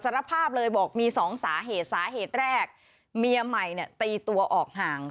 รับภาพเลยบอกมีสองสาเหตุสาเหตุแรกเมียใหม่เนี่ยตีตัวออกห่าง